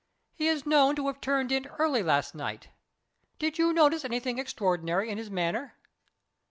"He is known to have turned in early last night. Did you notice anything extraordinary in his manner?"